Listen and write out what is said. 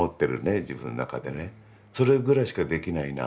それぐらいしかできないな。